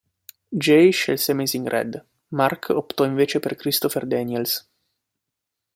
Jay scelse Amazing Red, Mark optò invece per Christopher Daniels.